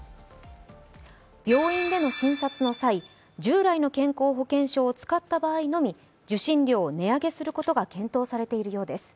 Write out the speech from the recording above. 病院での診察の際、従来の保険証を使った場合のみ受診料を値上げすることが検討されているようです。